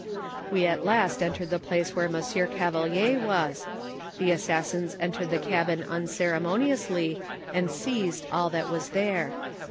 We at last entered the place where Monsieur Gavelier was ; the assassins entered the cabin unceremoniously, and seized all that was there.